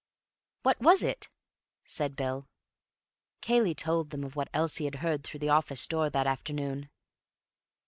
"What was it?" said Bill. Cayley told them of what Elsie had heard through the office door that afternoon.